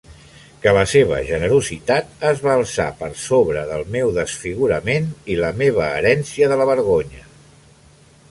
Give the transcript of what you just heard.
Que la seva generositat es va alçar per sobre del meu desfigurament i la meva herència de la vergonya.